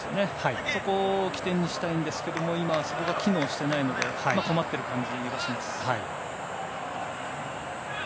そこを起点にしたいんですが今、そこが機能してないので困っている感じがします。